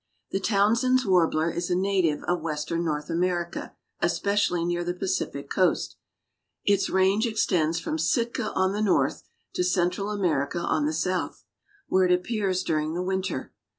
The Townsend's Warbler is a native of Western North America, especially near the Pacific coast. Its range extends from Sitka on the north to Central America on the south, where it appears during the winter.